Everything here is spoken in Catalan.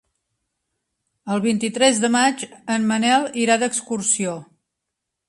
El vint-i-tres de maig en Manel irà d'excursió.